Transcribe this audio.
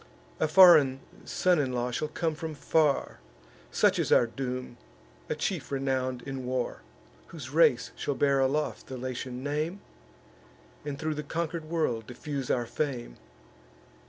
A foreign son in law shall come from far (Such is our doom), a chief renown'd in war, Whose race shall bear aloft the Latian name, And thro' the conquer'd world diffuse our fame.